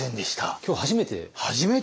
今日初めて？